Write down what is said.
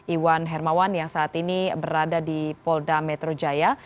iwan hermawan yang saat ini berada di polda metro jaya